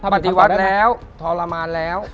ปฏิวัติแล้วทรมานแล้ว